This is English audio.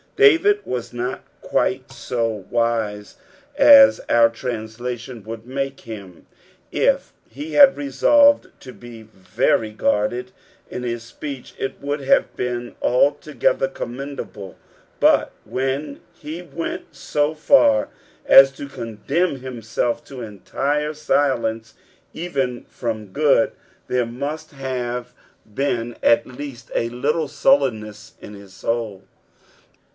David was not quite w wise as our translation would make him ; if he had resolved to be very guarded in his speech, it would have been altogether commendable ; but when he went so far as to condemn himself to entire ulence, '* even from good," there muit btn TSAUi THE THIRTY iUNTH. 239 b«en at least a little BuUenness in his eouI.